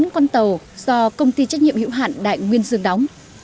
bốn con tàu do công ty trách nhiệm hữu hạn đại nguyên dương đóng